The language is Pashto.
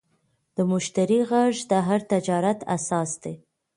د مشتری غږ د هر تجارت اساس دی.